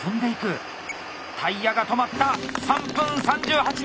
タイヤが止まった３分３８秒。